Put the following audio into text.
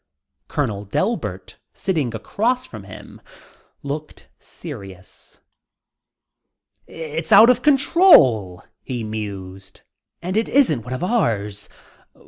Colonel Delbert, sitting across from him, looked serious. "It's out of control," he mused. "And it isn't one of ours.